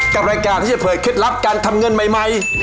กับรายการที่จะเผยเคล็ดลับการทำเงินใหม่